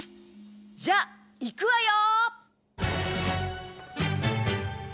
じゃあいくわよ！